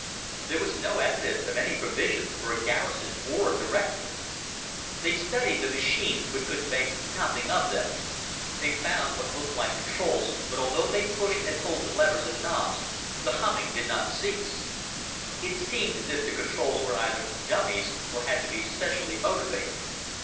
There was no evidence of any provisions for a garrison or a director. They studied the machines but could make nothing of them. They found what looked like controls, but although they pushed and pulled the levers and knobs, the humming did not cease. It seemed as if the controls were either dummies or had to be specially motivated.